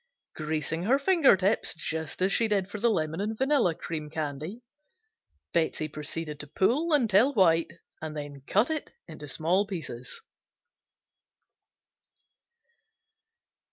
Greasing her finger tips just as she did for the lemon and vanilla cream candy, Betsey proceeded to pull until white and then cut it in small pieces.